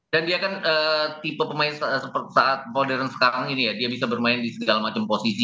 dan dia kan tipe pemain saat modern sekarang ini ya dia bisa bermain di segala macam posisi